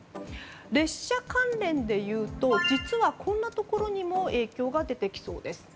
列車関連でいうと実はこんなところにも影響が出てきそうです。